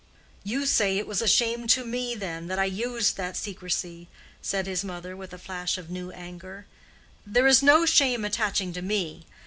"You say it was a shame to me, then, that I used that secrecy," said his mother, with a flash of new anger. "There is no shame attaching to me.